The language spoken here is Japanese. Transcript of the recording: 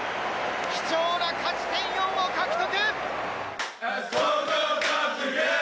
貴重な勝ち点４を獲得。